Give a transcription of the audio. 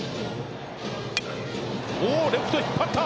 レフトへ引っ張った。